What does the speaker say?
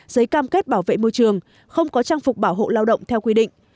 giấy cam kết bảo vệ môi trường không có trang phục bảo hộ lao động theo quy định